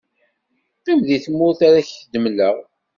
qqim di tmurt ara k-d-mmleɣ.